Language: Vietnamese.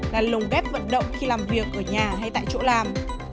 là lồng ghép vận động khi làm việc ở nhà hay tại chỗ làm